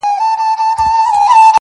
څه وکړمه څنگه چاته ښه ووايم_